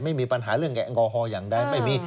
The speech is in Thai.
ไม่มีปัญหาในเรื่องแกะแองกอฮอลอย่างใด